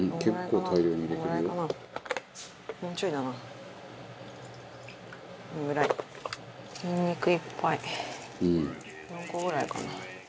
４個ぐらいかな？